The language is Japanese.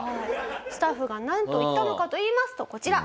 スタッフがなんと言ったのかといいますとこちら。